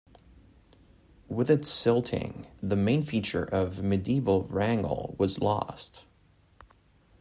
With its silting, the main feature of medieval Wrangle was lost.